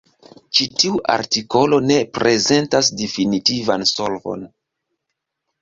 Ĉi tiu artikolo ne prezentas definitivan solvon.